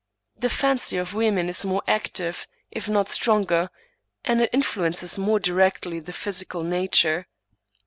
The fancy of women is more active, if not stronger, and it influ ences more directly the physical nature.